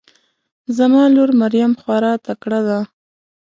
زما لور مريم خواره تکړه ده